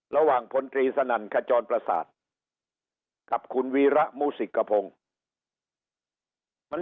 ระหว่างผลตรีสนั่นขจรประศาจกับคุณวีระมูสิคพงมัน